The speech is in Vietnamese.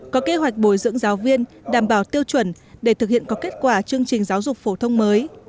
có kế hoạch bồi dưỡng giáo viên đảm bảo tiêu chuẩn để thực hiện có kết quả chương trình giáo dục phổ thông mới